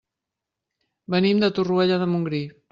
Venim de Torroella de Montgrí.